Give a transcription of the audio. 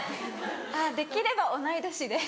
あっできれば同い年で。